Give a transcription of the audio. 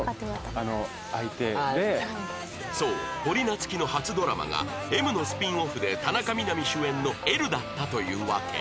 そう堀夏喜の初ドラマが『Ｍ』のスピンオフで田中みな実主演の『Ｌ』だったというわけ